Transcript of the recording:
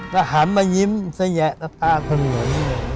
แล้วหันมายิ้มสระแยะละตาทะเลียน